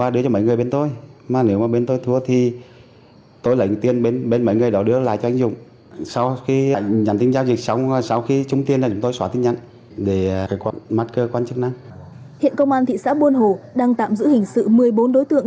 đang tạm giữ hình sự một mươi bốn đối tượng